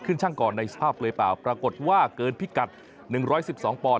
ชั่งก่อนในสภาพเปลือยเปล่าปรากฏว่าเกินพิกัด๑๑๒ปอนด